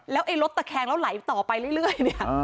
แล้วไอ้รถตะแคงแล้วไหลต่อไปเรื่อยเนี่ย